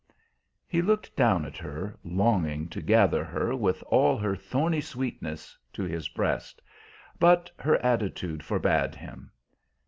He looked down at her, longing to gather her, with all her thorny sweetness, to his breast; but her attitude forbade him.